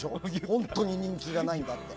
本当に人気がないんだって。